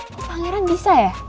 kok pangeran bisa ya